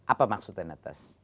apa maksudnya netes